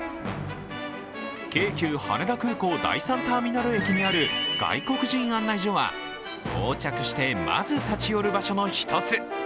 京急・羽田空港第３ターミナル駅にある外国人案内所は到着してまず立ち寄る場所の一つ。